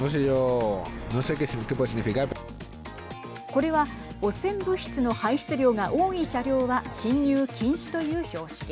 これは汚染物質の排出量が多い車両は進入禁止という標識。